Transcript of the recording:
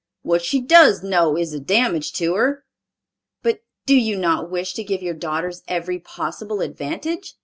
What she does know is a damage to her." "But do you not wish to give your daughters every possible advantage?"